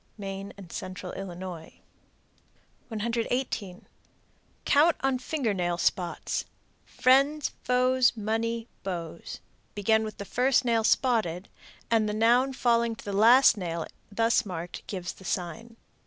Maine and Central Illinois. 118. Count on finger nail spots: Friends, Foes, Money, Beaux. Begin with the first nail spotted, and the noun falling to the last nail thus marked gives the sign.